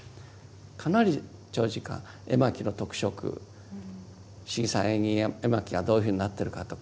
かなり長時間絵巻の特色「信貴山縁起絵巻」がどういうふうになってるかとか